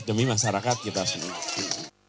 demi masyarakat kita sendiri